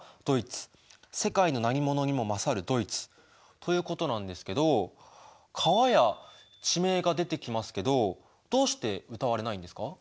ということなんですけど川や地名が出てきますけどどうして歌われないんですか？